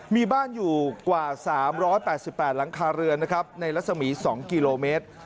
มีบ้านอยู่กว่า๓๘๘หลังคาเรือนนะครับในรัศมี๒กิโลเมตร